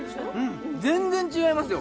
全然違いますよ。